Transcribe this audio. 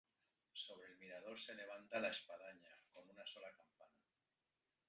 Sobre el mirador se levanta la espadaña, con una sola campana.